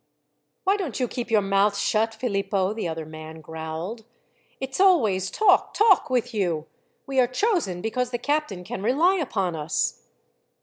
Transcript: "Why don't you keep your mouth shut, Philippo?" the other man growled. "It's always talk, talk with you. We are chosen because the captain can rely upon us."